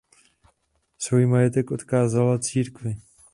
Svůj majetek odkázala církvi.